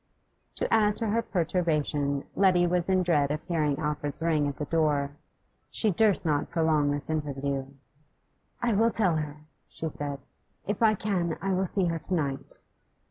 To add to her perturbation, Letty was in dread of hearing Alfred's ring at the door; she durst not prolong this interview. 'I will tell her,' she said. 'If I can, I will see her to night.